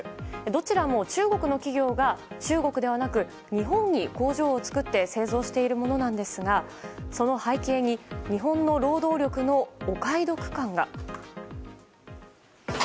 どちらも中国の企業が中国ではなく日本に工場を作って製造しているものなんですがその背景に日本の労働力のお買い得感が。